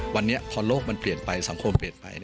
วันนี้พอโลกมันเปลี่ยนไปสังคมเปลี่ยนไป